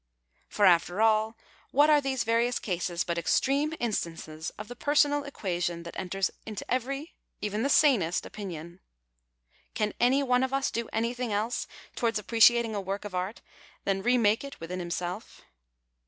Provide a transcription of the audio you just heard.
For, after all, what are these various cases but extreme instances of the " per sonal e(iuation " that enters into every, even the sanest opinion ? Can any one of us do anything else towards appreciating a work of art than remake it within himself?